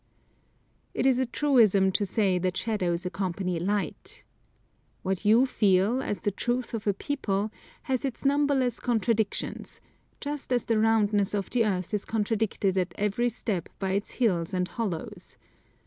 It is a truism to say that shadows accompany light. What you feel, as the truth of a people, has its numberless contradictions, just as the roundness of the earth is contradicted at every step by its hills and hollows.